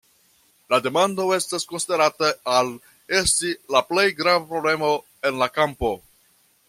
La demando estas konsiderata al esti la plej grava problemo en la kampo.